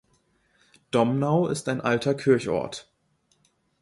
Domnau ist ein alter Kirchort.